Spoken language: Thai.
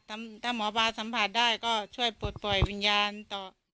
ถ้าหมอปลาสัมผัสได้ก็ช่วยปลดปล่อยวิญญาณต่อ